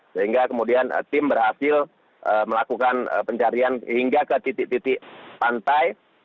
sehingga kemudian tim berhasil melakukan pencarian hingga ke titik titik pantai